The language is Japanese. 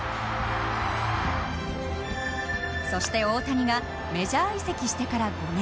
そして大谷がメジャー移籍してから５年。